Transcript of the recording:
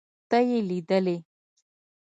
ته يې ليدلې.